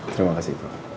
terima kasih pak